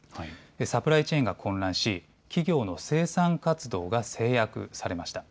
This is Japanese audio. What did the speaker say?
サプライチェーンが混乱し、企業の生産活動が制約されました。